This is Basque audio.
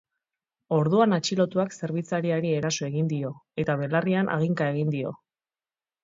Orduan atxilotuak zerbitzariari eraso egin dio eta belarrian haginka egin dio.